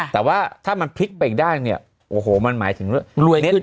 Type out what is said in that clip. แต่ว่าถ้ามันพลิกไปอีกได้เนี่ยโอ้โหมันหมายถึง